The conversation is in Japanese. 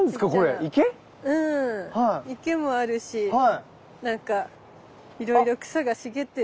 うん池もあるしなんかいろいろ草が茂ってるね